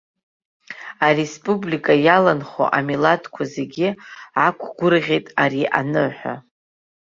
Ареспублика иаланхо амилаҭқәа зегьы ақәгәырӷьеит ари аныҳәа.